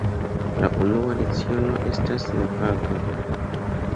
La unua leciono estas senpaga.